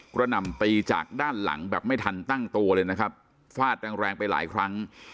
หน่ำตีจากด้านหลังแบบไม่ทันตั้งตัวเลยนะครับฟาดแรงแรงไปหลายครั้ง